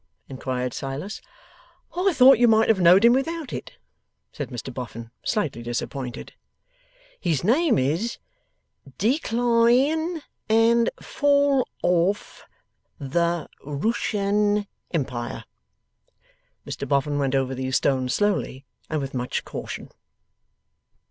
inquired Silas. 'I thought you might have know'd him without it,' said Mr Boffin slightly disappointed. 'His name is Decline And Fall Off The Rooshan Empire.' (Mr Boffin went over these stones slowly and with much caution.)